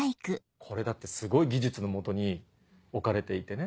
これだってすごい技術の下に置かれていてね。